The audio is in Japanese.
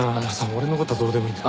俺の事はどうでもいいんだ。